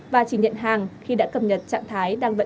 và chỉ nhận hàng khi đưa ra cảnh báo